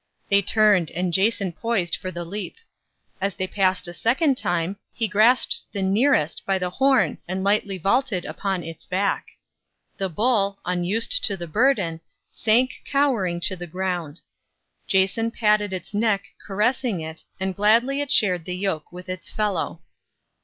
They turned and Jason poised for the leap. As they passed a second time, he grasped the nearest by the horn and lightly vaulted upon its back. The bull, unused to the burden, sank cowering to the ground. Jason patted its neck caressing it, and gladly it shared the yoke with its fellow.